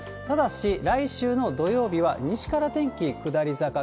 ただし、来週の土曜日は西から天気下り坂。